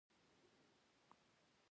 دوی د جرګې په بڼه راغونډوي او موضوع حلوي.